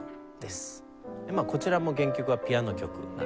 こちらも原曲はピアノ曲なんですね。